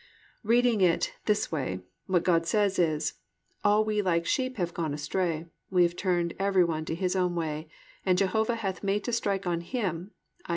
Reading it this way, what God says is, "All we like sheep have gone astray; we have turned every one to his own way; and Jehovah hath made to strike on him (i.